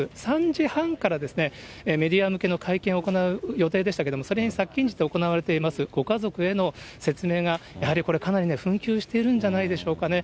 ３時半からメディア向けの会見を行う予定でしたけれども、それに先んじて行われています、ご家族への説明がやはりこれ、かなり紛糾しているんじゃないでしょうかね。